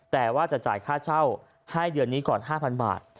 แต่ว่าจะจ่ายค่าเช่าให้เดือนนี้ก่อน๕๐๐บาท